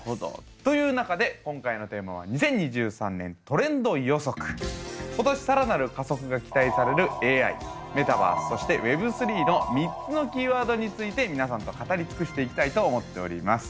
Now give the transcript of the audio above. という中で今年更なる加速が期待されるＡＩメタバースそしてＷｅｂ３の３つのキーワードについて皆さんと語り尽くしていきたいと思っております。